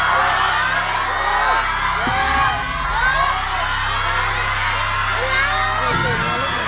ได้๑กลอนไม่จุดอยู่กับข้อนี้